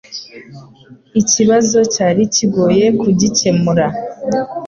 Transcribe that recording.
Ikibazo cyari kigoye kugikemura.